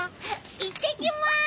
いってきます！